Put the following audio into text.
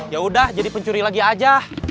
ya udah jadi pencuri lagi aja